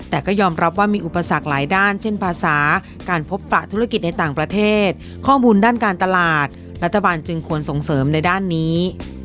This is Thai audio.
แต่ก็ยอมรับว่ามีอุปสรรคหลายด้านเช่นภาษาการพบประธุรกิจในต่างประเทศข้อมูลด้านการตลาดรัฐบาลจึงควรส่งเสริมในด้านนี้